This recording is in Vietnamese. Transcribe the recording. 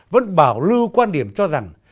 vẫn bảo lưu quan điểm cho rằng